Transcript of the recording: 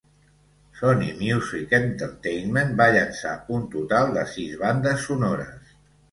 Sony Music Entertainment va llençar un total de sis bandes sonores.